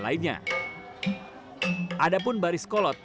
ada pun baris kolot